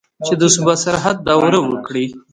چې د صوبه سرحد دوره وکړي.